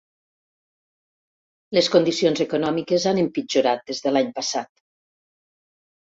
Les condicions econòmiques han empitjorat des de l'any passat.